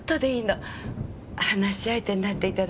話し相手になって頂けません？